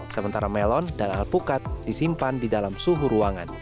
sementara melon dan alpukat disimpan di dalam suhu ruangan